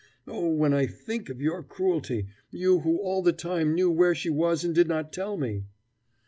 "Oh, when I think of your cruelty you who all the time knew where she was and did not tell me!"